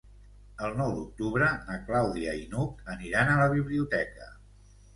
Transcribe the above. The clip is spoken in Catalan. El nou d'octubre na Clàudia i n'Hug aniran a la biblioteca.